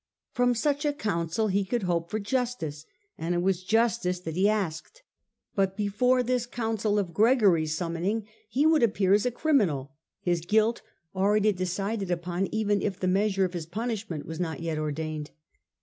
From such a council he could hope for justice, and it was justice that he asked. But before this Council of Gregory's summoning he would appear as a criminal, his guilt already decided upon even if the measure of his punishment was not yet ordained.